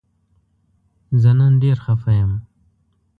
زه نن ډیر خفه یم